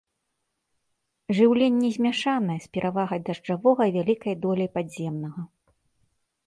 Жыўленне змяшанае, з перавагай дажджавога і вялікай доляй падземнага.